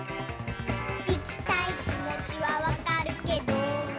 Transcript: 「いきたいきもちはわかるけど」